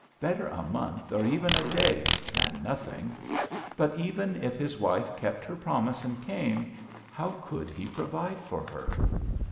Better a month or even a day, than nothing. But even if his wife kept her promise and came, how could he provide for her?